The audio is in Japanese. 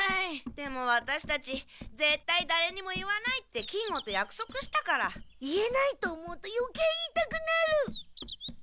でもワタシたちぜったいだれにも言わないって金吾とやくそくしたから。言えないと思うとよけい言いたくなる！